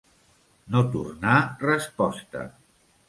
No tornar resposta.